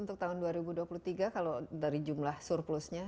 untuk tahun dua ribu dua puluh tiga kalau dari jumlah surplusnya